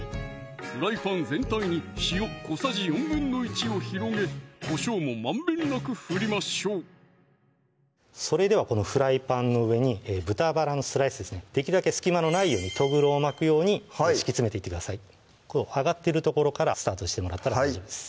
フライパン全体に塩小さじ１／４を広げこしょうもまんべんなく振りましょうそれではこのフライパンの上に豚バラのスライスですねできるだけ隙間のないようにとぐろを巻くように敷き詰めて上がってる所からスタートしてもらったら大丈夫です